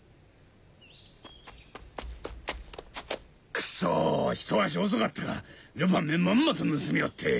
クソひと足遅かったかルパンめまんまと盗みおって！